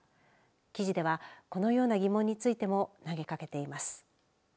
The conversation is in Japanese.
記事ではこのような疑問についても投げかけています。